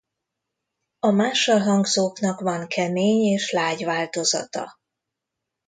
A mássalhangzóknak van kemény és lágy változata.